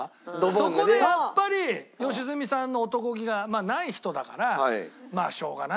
そこでやっぱり良純さんの男気がまあない人だからしょうがないのかな。